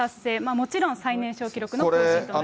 もちろん、最年少記録の更新となります。